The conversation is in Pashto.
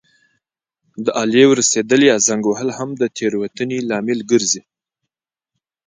د آلې ورستېدل یا زنګ وهل هم د تېروتنې لامل ګرځي.